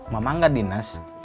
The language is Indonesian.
mama enggak dinas